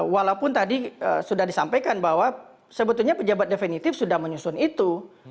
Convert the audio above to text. walaupun tadi sudah disampaikan bahwa sebetulnya pejabat definitif sudah menyusun itu